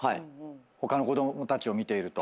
他の子供たちを見ていると。